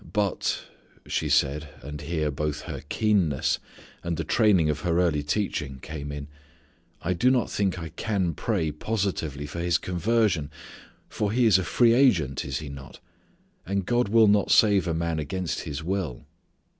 But," she said, and here both her keenness and the training of her early teaching came in, "I do not think I can pray positively for his conversion, for he is a free agent, is he not? And God will not save a man against his will."